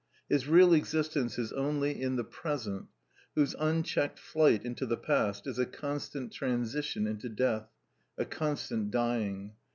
His real existence is only in the present, whose unchecked flight into the past is a constant transition into death, a constant dying.